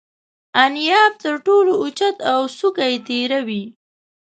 انیاب تر ټولو اوچت او څوکه یې تیره وي.